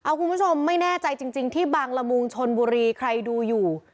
คุณผู้ชมไม่แน่ใจจริงที่บางละมุงชนบุรีใครดูอยู่